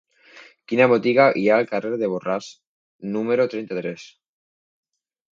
Quina botiga hi ha al carrer de Borràs número trenta-tres?